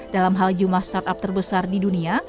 dalam hal jumlah startup terbesar di dunia